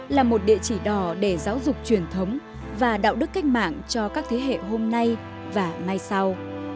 là một địa chỉ đỏ để giáo dục truyền thống và đạo đức cách mạng cho các thế hệ hôm nay và mai sau